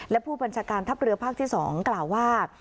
และผู้บัญชาการทัพเรือภาคที่๒กล่าวว่า